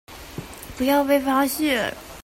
不要被發現